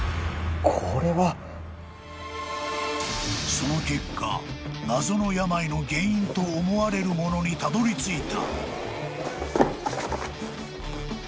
［その結果謎の病の原因と思われるものにたどり着いた］